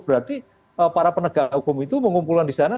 berarti para penegak hukum itu mengumpulkan di sana